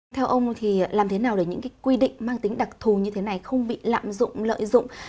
theo ông thì làm thế nào để những quy định mang tính đặc thù như thế này không bị lạm dụng lợi dụng